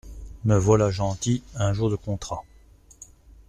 Me voilà gentil… un jour de contrat !